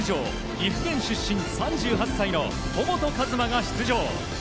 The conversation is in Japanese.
岐阜県出身３８歳の戸本一真が出場。